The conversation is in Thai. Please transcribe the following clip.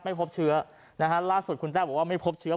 พบเชื้อนะฮะล่าสุดคุณแต้วบอกว่าไม่พบเชื้อ